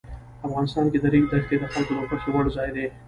افغانستان کې د ریګ دښتې د خلکو د خوښې وړ ځای دی.